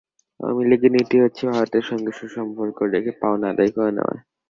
আওয়ামী লীগের নীতি হচ্ছে ভারতের সঙ্গে সুসম্পর্ক রেখে পাওনা আদায় করে নেওয়া।